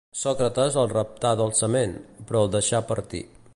Sòcrates el reptà dolçament, però el deixà partir